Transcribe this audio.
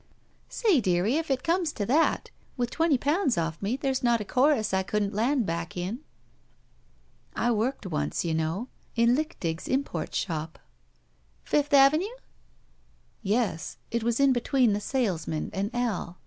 "Say, dearie, if it comes to that, with twenty pounds oflf me, there's not a chorus I couldn't land back in." "I worked once, you know, in Lichtig's import shop." "Fifth Avenue?" "Yes. It was in between the salesman and Al.